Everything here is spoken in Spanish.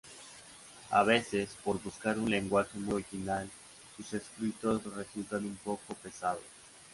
A veces, por buscar un lenguaje muy original, sus escritos resultan un poco pesados.